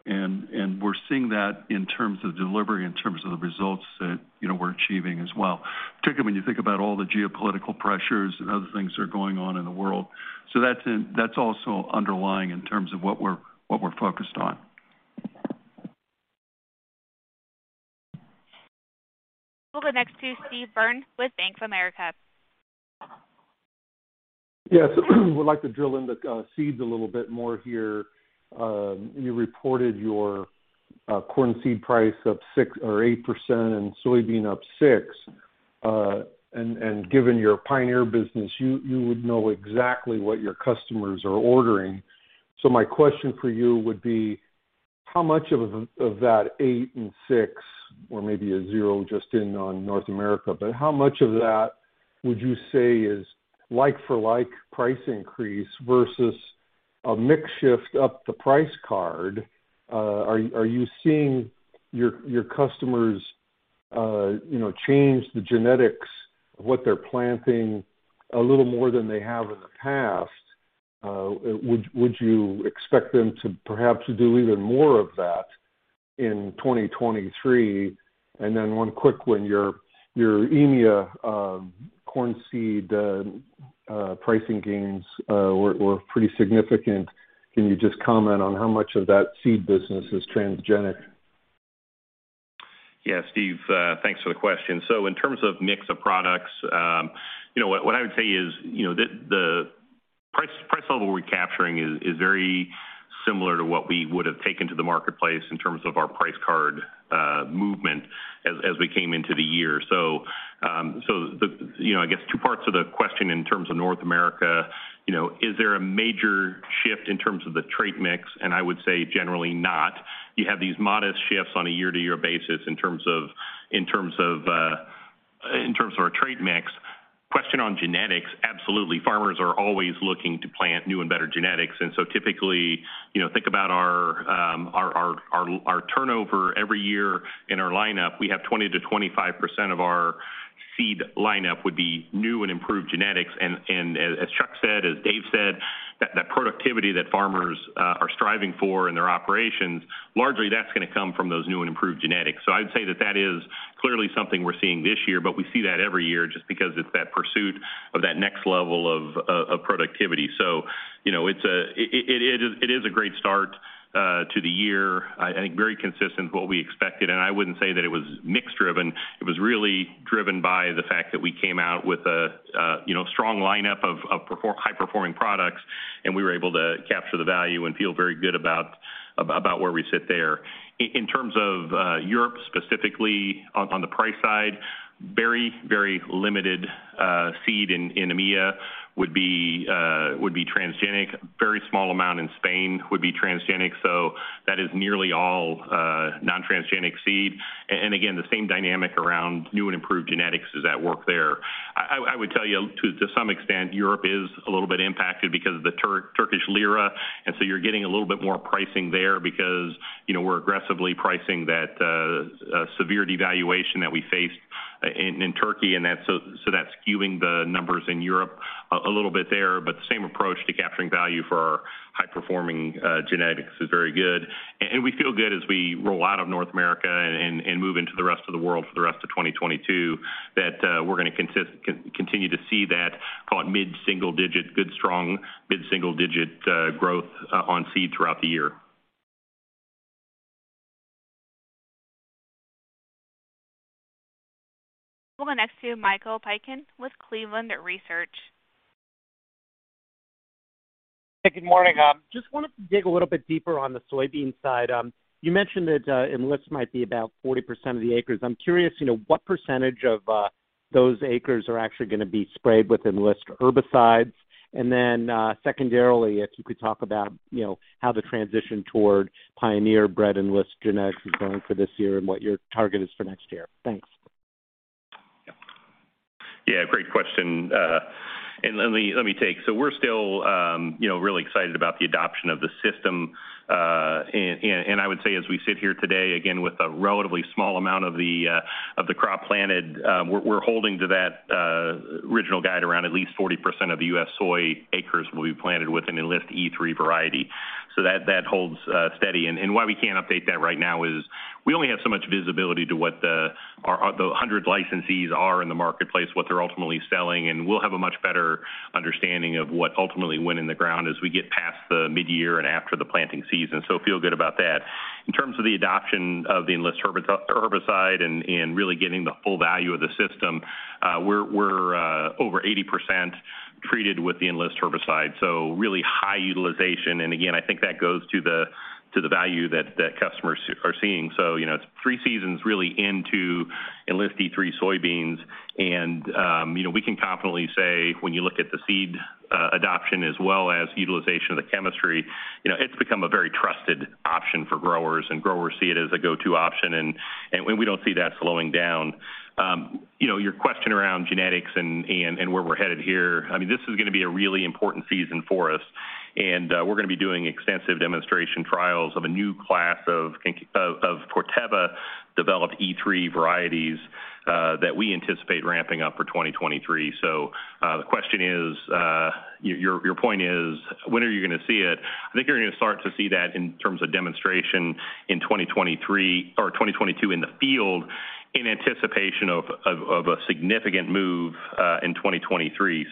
We're seeing that in terms of delivery, in terms of the results that, you know, we're achieving as well, particularly when you think about all the geopolitical pressures and other things that are going on in the world. That's also underlying in terms of what we're focused on. We'll go next to Steve Byrne with Bank of America. Yes, we'd like to drill into seeds a little bit more here. You reported your corn seed price up 6%-8% and soybean up 6%. Given your Pioneer business, you would know exactly what your customers are ordering. My question for you would be, how much of that 8 and 6, or maybe zero just in North America, but how much of that would you say is like for like price increase versus a mix shift up the price card? Are you seeing your customers you know change the genetics what they're planting a little more than they have in the past? Would you expect them to perhaps do even more of that in 2023? One quick one. Your EMEA corn seed pricing gains were pretty significant. Can you just comment on how much of that seed business is transgenic? Yeah, Steve, thanks for the question. In terms of mix of products, you know, what I would say is, you know, the price level we're capturing is very similar to what we would have taken to the marketplace in terms of our price card movement as we came into the year. You know, I guess two parts to the question in terms of North America, you know, is there a major shift in terms of the trait mix? I would say generally not. You have these modest shifts on a year-to-year basis in terms of our trait mix. Question on genetics, absolutely. Farmers are always looking to plant new and better genetics. Typically, you know, think about our turnover every year in our lineup, we have 20%-25% of our seed lineup would be new and improved genetics. As Chuck said, as Dave said, that productivity that farmers are striving for in their operations, largely that's gonna come from those new and improved genetics. I would say that is clearly something we're seeing this year, but we see that every year just because it's that pursuit of that next level of productivity. You know, it's a great start to the year. I think very consistent with what we expected, and I wouldn't say that it was mix-driven. It was really driven by the fact that we came out with a, you know, strong lineup of high-performing products, and we were able to capture the value and feel very good about where we sit there. In terms of Europe, specifically on the price side, very, very limited seed in EMEA would be transgenic. Very small amount in Spain would be transgenic. So that is nearly all non-transgenic seed. Again, the same dynamic around new and improved genetics is at work there. I would tell you to some extent, Europe is a little bit impacted because of the Turkish lira, and so you're getting a little bit more pricing there because, you know, we're aggressively pricing that severe devaluation that we faced in Turkey, and so that's skewing the numbers in Europe a little bit there. But the same approach to capturing value for our high-performing genetics is very good. We feel good as we roll out of North America and move into the rest of the world for the rest of 2022, that we're gonna continue to see that call it mid-single digit, good, strong mid-single digit growth on seed throughout the year. We'll go next to Michael Piken with Cleveland Research. Good morning. Just wanted to dig a little bit deeper on the soybean side. You mentioned that Enlist might be about 40% of the acres. I'm curious what percentage of those acres are actually gonna be sprayed with Enlist herbicides? Secondarily, if you could talk about, you know, how the transition toward Pioneer-bred Enlist genetics is going for this year and what your target is for next year. Thanks. Yeah, great question. Let me take. We're still, you know, really excited about the adoption of the system. I would say as we sit here today, again, with a relatively small amount of the crop planted, we're holding to that original guide around at least 40% of the U.S. soy acres will be planted with an Enlist E3 variety. That holds steady. Why we can't update that right now is we only have so much visibility to what the 100 licensees are in the marketplace, what they're ultimately selling, and we'll have a much better understanding of what ultimately went in the ground as we get past the midyear and after the planting season. Feel good about that. In terms of the adoption of the Enlist herbicide and really getting the full value of the system, we're over 80% treated with the Enlist herbicide, so really high utilization. Again, I think that goes to the value that customers are seeing. You know, it's three seasons really into Enlist E3 soybeans and you know, we can confidently say when you look at the seed adoption as well as utilization of the chemistry, you know, it's become a very trusted option for growers, and growers see it as a go-to option and we don't see that slowing down. You know, your question around genetics and where we're headed here. I mean, this is gonna be a really important season for us, and we're gonna be doing extensive demonstration trials of a new class of Corteva-developed E3 varieties that we anticipate ramping up for 2023. The question is, your point is, when are you gonna see it? I think you're gonna start to see that in terms of demonstration in 2023 or 2022 in the field in anticipation of a significant move in 2023.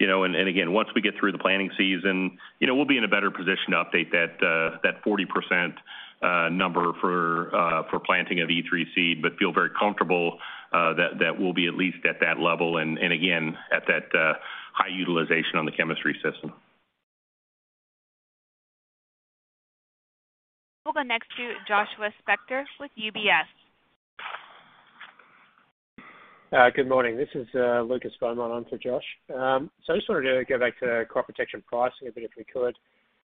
you know, and again, once we get through the planting season, you know, we'll be in a better position to update that 40% number for planting of E3 seed, but feel very comfortable that we'll be at least at that level and again at that high utilization on the chemistry system. We'll go next to Joshua Spector with UBS. Good morning. This is Lucas Beaumont in for Joshua Spector. I just wanted to go back to crop protection pricing a bit if we could.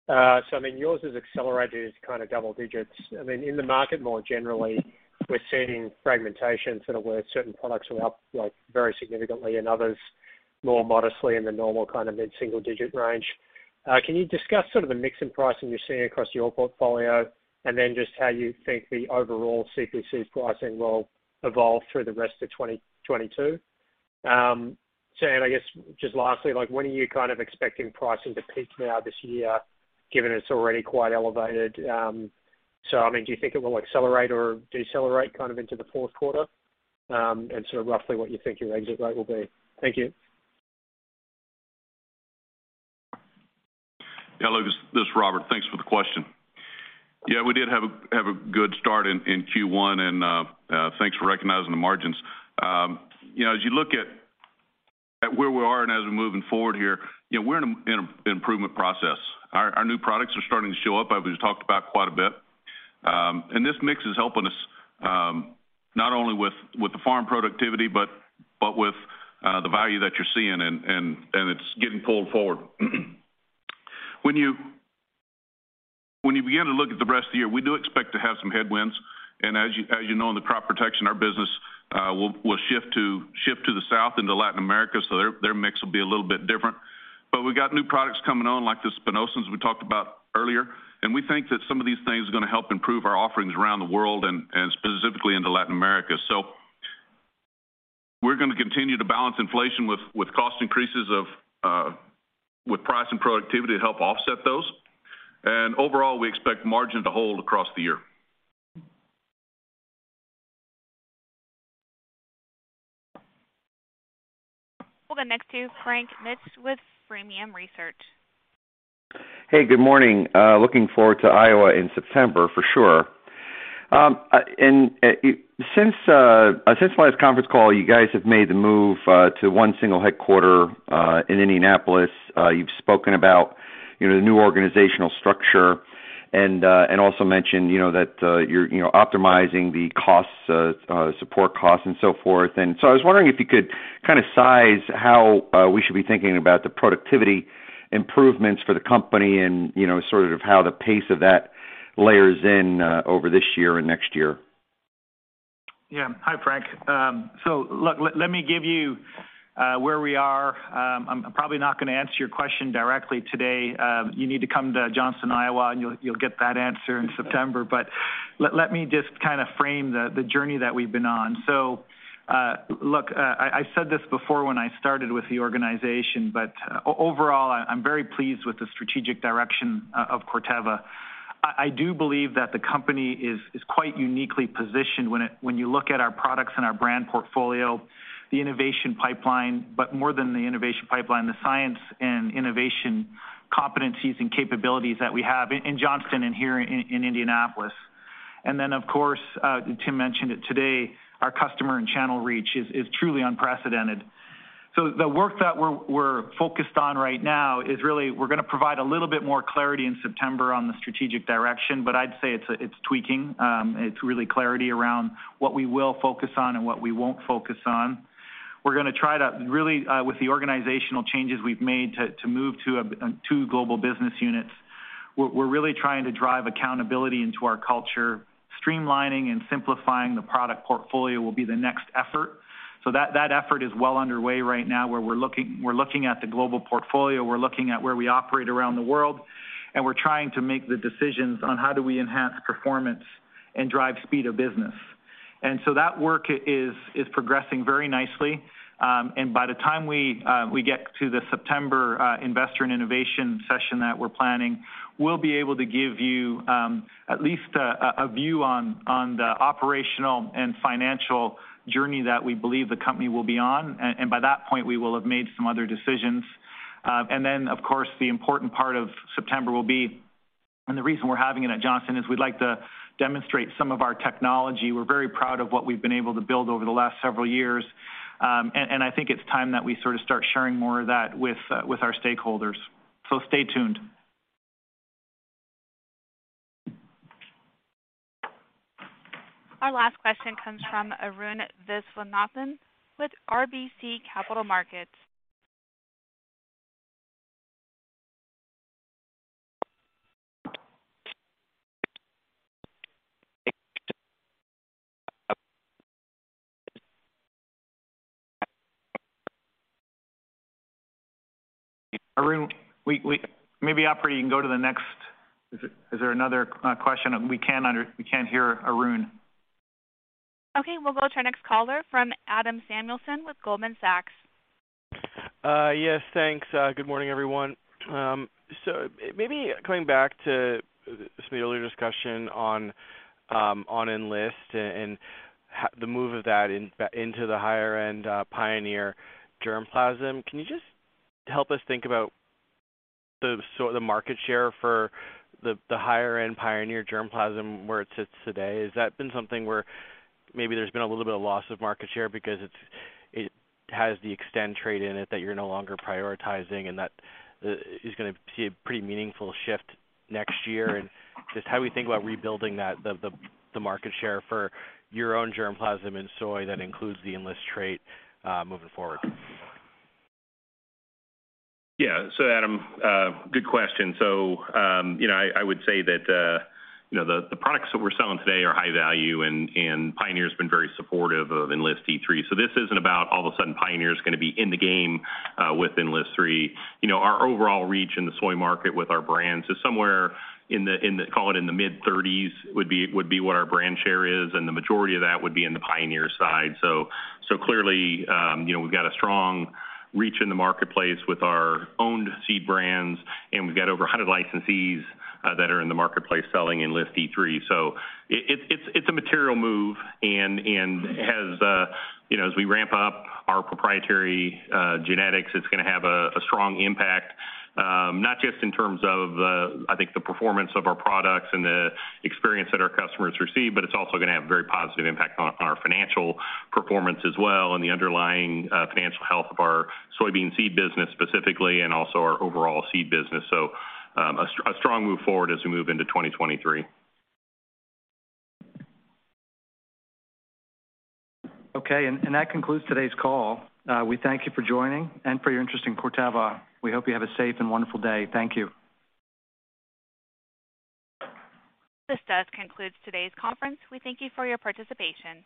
I mean, yours has accelerated kind of double digits. I mean, in the market more generally, we're seeing fragmentation sort of where certain products are up, like, very significantly and others more modestly in the normal kind of mid-single digit range. Can you discuss sort of the mix in pricing you're seeing across your portfolio and then just how you think the overall CP pricing will evolve through the rest of 2022? I guess just lastly, like, when are you kind of expecting pricing to peak now this year, given it's already quite elevated? I mean, do you think it will accelerate or decelerate kind of into the fourth quarter? Sort of roughly what you think your exit rate will be. Thank you. Yeah, Lucas Beaumont, this is Robert. Thanks for the question. Yeah, we did have a good start in Q1, and thanks for recognizing the margins. You know, as you look at where we are and as we're moving forward here, you know, we're in an improvement process. Our new products are starting to show up, as we've talked about quite a bit. This mix is helping us not only with the farm productivity, but with the value that you're seeing and it's getting pulled forward. When you begin to look at the rest of the year, we do expect to have some headwinds. As you know, in the Crop Protection, our business, will shift to the south into Latin America, so their mix will be a little bit different. We got new products coming on, like the spinosyns we talked about earlier, and we think that some of these things are gonna help improve our offerings around the world and specifically into Latin America. We're gonna continue to balance inflation with cost increases with price and productivity to help offset those. Overall, we expect margin to hold across the year. We'll go next to Frank Mitsch with Fermium Research. Hey, good morning. Looking forward to Iowa in September for sure. Since last conference call, you guys have made the move to one single headquarters in Indianapolis. You've spoken about, you know, the new organizational structure and also mentioned, you know, that you're, you know, optimizing the costs, support costs and so forth. I was wondering if you could kind of size how we should be thinking about the productivity improvements for the company and, you know, sort of how the pace of that layers in over this year and next year? Yeah. Hi, Frank. Look, let me give you where we are. I'm probably not gonna answer your question directly today. You need to come to Johnston, Iowa, and you'll get that answer in September. Let me just kind of frame the journey that we've been on. Look, I said this before when I started with the organization, but overall, I'm very pleased with the strategic direction of Corteva. I do believe that the company is quite uniquely positioned when you look at our products and our brand portfolio, the innovation pipeline, but more than the innovation pipeline, the science and innovation competencies and capabilities that we have in Johnston and here in Indianapolis. Of course, Tim mentioned it today, our customer and channel reach is truly unprecedented. The work that we're focused on right now is really we're gonna provide a little bit more clarity in September on the strategic direction, but I'd say it's tweaking. It's really clarity around what we will focus on and what we won't focus on. We're gonna try to really, with the organizational changes we've made to move to two global business units, we're really trying to drive accountability into our culture. Streamlining and simplifying the product portfolio will be the next effort. That effort is well underway right now, where we're looking at the global portfolio, we're looking at where we operate around the world, and we're trying to make the decisions on how do we enhance performance and drive speed of business. That work is progressing very nicely. By the time we get to the September investor and innovation session that we're planning, we'll be able to give you at least a view on the operational and financial journey that we believe the company will be on. By that point, we will have made some other decisions. Of course, the important part of September will be, and the reason we're having it at Johnston is we'd like to demonstrate some of our technology. We're very proud of what we've been able to build over the last several years. I think it's time that we sort of start sharing more of that with our stakeholders. Stay tuned. Our last question comes from Arun Viswanathan with RBC Capital Markets. Arun, maybe, operator, you can go to the next. Is there another question? We can't hear Arun. Okay, we'll go to our next caller from Adam Samuelson with Goldman Sachs. Yes, thanks. Good morning, everyone. So maybe coming back to just the earlier discussion on Enlist and the move of that into the higher-end Pioneer germplasm. Can you just help us think about the sort of market share for the higher-end Pioneer germplasm, where it sits today? Has that been something where maybe there's been a little bit of loss of market share because it has the Xtend trait in it that you're no longer prioritizing and that is gonna see a pretty meaningful shift next year? Just how we think about rebuilding that market share for your own germplasm in soy that includes the Enlist trait moving forward? Yeah, Adam, good question. You know, I would say that you know, the products that we're selling today are high value, and Pioneer has been very supportive of Enlist E3. This isn't about all of a sudden Pioneer is gonna be in the game with Enlist E3. You know, our overall reach in the soy market with our brands is somewhere in the call it in the mid-30s would be what our brand share is, and the majority of that would be in the Pioneer side. Clearly, you know, we've got a strong reach in the marketplace with our own seed brands, and we've got over 100 licensees that are in the marketplace selling Enlist E3. It's a material move and as you know as we ramp up our proprietary genetics it's gonna have a strong impact not just in terms of I think the performance of our products and the experience that our customers receive but it's also gonna have very positive impact on our financial performance as well and the underlying financial health of our soybean seed business specifically and also our overall seed business. A strong move forward as we move into 2023. Okay. That concludes today's call. We thank you for joining and for your interest in Corteva. We hope you have a safe and wonderful day. Thank you. This concludes today's conference. We thank you for your participation.